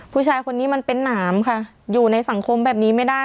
ผู้ชายคนนี้มันเป็นหนามค่ะอยู่ในสังคมแบบนี้ไม่ได้